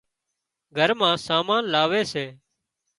گھر مان سامان لاوي سي